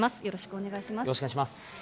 よろしくお願いします。